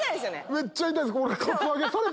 めっちゃ痛いです。